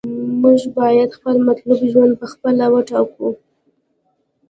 موږ باید خپل مطلوب ژوند په خپله وټاکو.